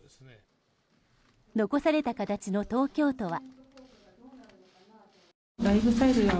残された形の東京都は。